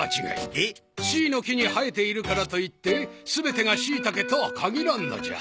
えっ？しいの木に生えているからといって全てがシイタケとは限らんのじゃ。